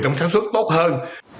trong sản xuất tốt hơn